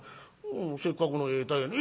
せっかくのええ鯛やのに。